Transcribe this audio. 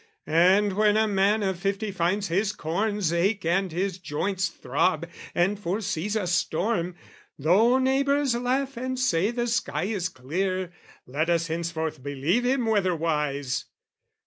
"And when a man of fifty finds his corns "Ache and his joints throb, and foresees a storm, "Though neighbours laugh and say the sky is clear, "Let us henceforth believe him weatherwise!"